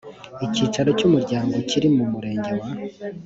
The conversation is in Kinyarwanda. icyicaro cy umuryango kiri mu murenge wa